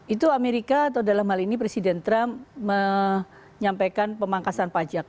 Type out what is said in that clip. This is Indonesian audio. itu amerika atau dalam hal ini presiden trump menyampaikan pemangkasan pajak